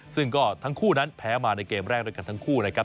ซึ่งก็ทั้งคู่นั้นแพ้มาในเกมแรกด้วยกันทั้งคู่นะครับ